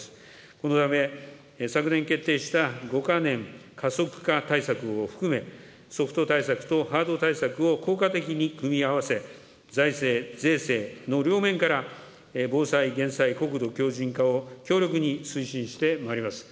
このため、昨年決定した、５か年加速化対策を含め、ソフト対策とハード対策を効果的に組み合わせ、財政、税制の両面から、防災・減災・国土強じん化を強力に推進してまいります。